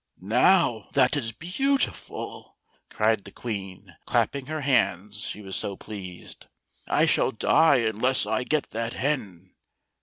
"Now, that is beautiful," cried the Queen, clapping her hands, she was so pleased ;" I shall die unless I get that hen.